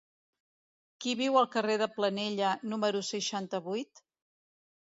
Qui viu al carrer de Planella número seixanta-vuit?